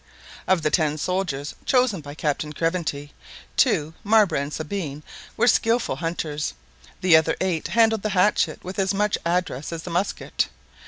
Of the ten soldiers chosen by Captain Craventy, two Marbre and Sabine were skilful hunters; the other eight handled the hatchet with as much address as the musket.